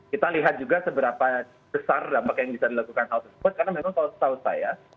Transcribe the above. kita lihat juga seberapa besar dampak yang bisa dilakukan hal tersebut karena memang kalau setahu saya